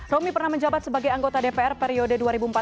romi pernah menjabat sebagai anggota dpr periode dua ribu empat belas dua ribu